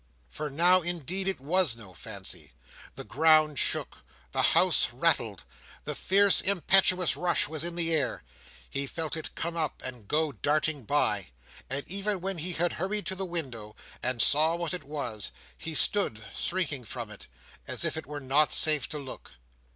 For now, indeed, it was no fancy. The ground shook, the house rattled, the fierce impetuous rush was in the air! He felt it come up, and go darting by; and even when he had hurried to the window, and saw what it was, he stood, shrinking from it, as if it were not safe to look.